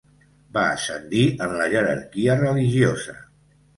Va ascendir en la jerarquia religiosa.